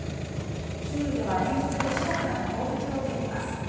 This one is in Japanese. キーウでは連日ロシアからの攻撃を受けています。